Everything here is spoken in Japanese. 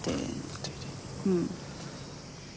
うん。